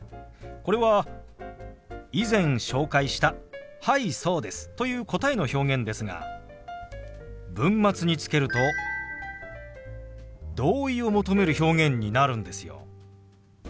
これは以前紹介した「はいそうです」という答えの表現ですが文末につけると同意を求める表現になるんですよ。